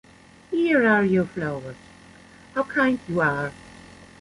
Here are your flowers "How kind you are!"